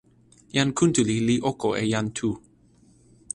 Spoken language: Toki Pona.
jan Kuntuli li oko e jan Tu.